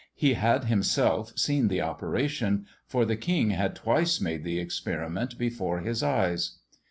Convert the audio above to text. He had himself seen the operation, for the king had twice made the experiment before his eyes.